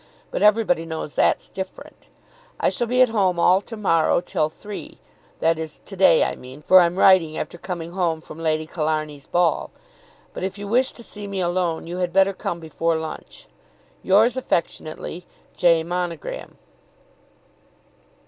But everybody knows that's different. I shall be at home all to morrow till three, that is to day I mean, for I'm writing after coming home from Lady Killarney's ball; but if you wish to see me alone you had better come before lunch. Yours affectionately, J. MONOGRAM.